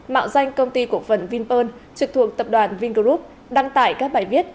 mạo danh công ty cổ phần vinpearl trực thuộc tập đoàn vingroup đăng tải các bài viết